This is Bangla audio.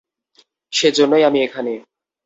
সে জন্যই আমি এখানে।